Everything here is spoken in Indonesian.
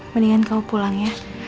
mendingan kamu pulang ya